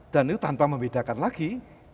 dan itu tanpa membedakan lagi